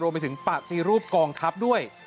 รวมไปถึงประติรูปกองทัพด้วย